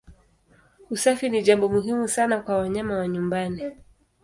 Usafi ni jambo muhimu sana kwa wanyama wa nyumbani.